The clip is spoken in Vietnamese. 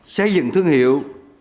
xây dựng thương hiệu